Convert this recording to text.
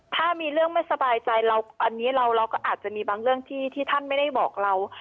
ถ้ามีเรื่องไม่สบายใจเราอันนี้เราก็อาจจะมีบางเรื่องที่ท่านไม่ได้บอกเรา